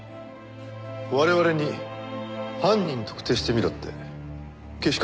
我々に犯人特定してみろってけしかけたんですよ。